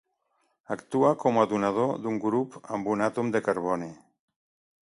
Actua com a donador d'un grup amb un àtom de carboni.